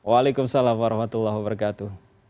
waalaikumsalam warahmatullahi wabarakatuh